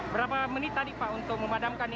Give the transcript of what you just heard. berapa menit tadi pak untuk memadamkan ini pak